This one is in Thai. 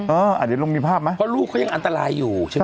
เอออ่ะเดี๋ยวลองมีภาพไหมเพราะลูกเขายังอันตรายอยู่ใช่ไหม